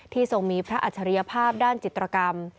ทรงมีพระอัจฉริยภาพด้านจิตรกรรม